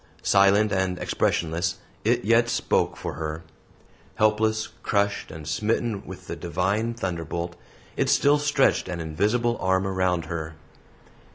Silent and expressionless, it yet spoke for her; helpless, crushed, and smitten with the Divine thunderbolt, it still stretched an invisible arm around her.